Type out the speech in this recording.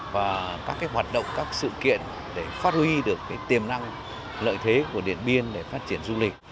và các hoạt động các sự kiện để phát huy được tiềm năng lợi thế của điện biên để phát triển du lịch